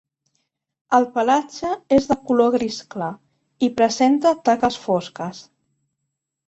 El pelatge és de color gris clar i presenta taques fosques.